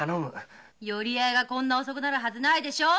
寄合いがこんなに遅くなるはずないでしょ。